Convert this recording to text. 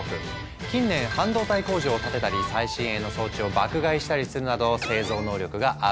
近年半導体工場を建てたり最新鋭の装置を爆買いしたりするなど製造能力がアップ。